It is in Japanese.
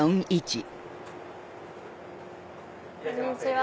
こんにちは。